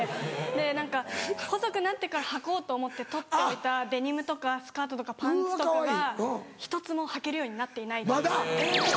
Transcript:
で何か細くなってからはこうと思って取っておいたデニムとかスカートとかパンツとかが１つもはけるようになっていないです。